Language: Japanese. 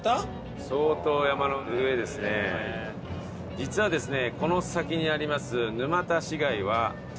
実はですね。